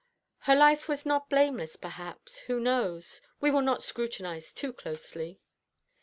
Her life was not blameless, perhaps who knows? We will not scrutinise too closely.